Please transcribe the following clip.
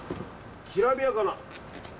きらびやかな。